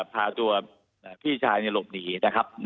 พาตัวพี่ชายหลบหนีนะครับ